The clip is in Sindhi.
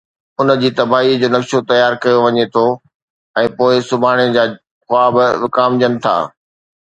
ان جي تباهيءَ جو نقشو تيار ڪيو وڃي ٿو ۽ پوءِ سڀاڻي جا خواب وڪامجن ٿا.